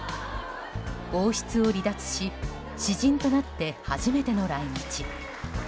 王室を離脱し私人となって初めての来日。